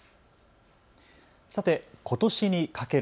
さて、ことしにかける。